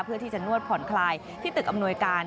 เพื่อที่จะนวดผ่อนคลายที่ตึกอำนวยการ